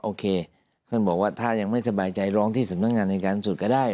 โอเคท่านบอกว่าถ้ายังไม่สบายใจร้องที่สำนักงานในการสุดก็ได้